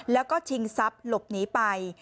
แล้วก็ชิงทรัพย์หลบหนีไป